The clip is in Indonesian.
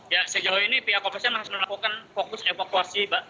ya sejauh ini pihak kepolisian masih melakukan fokus evakuasi mbak